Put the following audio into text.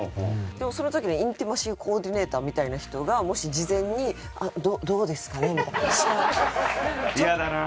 でもその時にインティマシー・コーディネーターみたいな人がもし事前に「どうですかね？」みたいな。嫌だな。